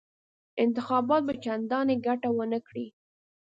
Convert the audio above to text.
انتخابات به چنداني ګټه ونه کړي.